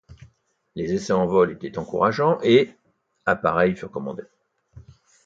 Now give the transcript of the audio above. Les essais en vol étaient encourageants et appareils furent commandés.